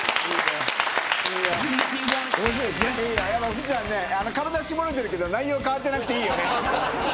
福ちゃん、体絞れてるけど内容変わってなくていいよね。